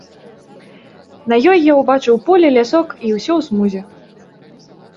На ёй я ўбачыў поле, лясок і ўсё ў смузе.